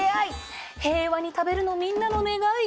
平和に食べるのみんなの願い。